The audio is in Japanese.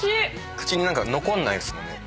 口に何か残んないですもんね。